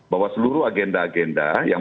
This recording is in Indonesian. bahwa seluruh agenda agenda yang